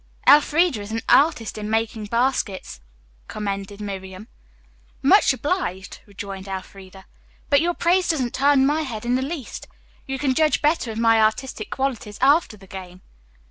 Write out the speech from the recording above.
"Elfreda is an artist in making baskets," commended Miriam. "Much obliged," rejoined Elfreda, "but your praise doesn't turn my head in the least. You can judge better of my artistic qualities after the game."